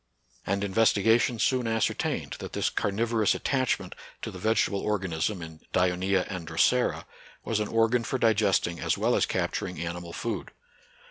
And investigation soon ascertained that this carnivo rous attachment to the vegetable organism in Dioncea and Drosera was an organ for digesting as well as capturing animal food.